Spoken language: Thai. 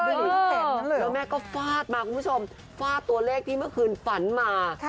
แล้วแม่ก็ฟาดมาคุณผู้ชมฟาดตัวเลขที่เมื่อคืนฝันมา